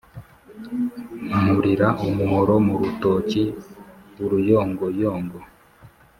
Nkurira umuhoro mu rutoki-Uruyongoyongo.